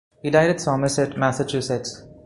He died at Somerset, Massachusetts.